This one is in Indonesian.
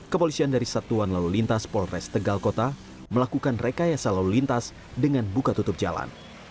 kepolisian dari satuan lalu lintas polres tegal kota melakukan rekayasa lalu lintas dengan buka tutup jalan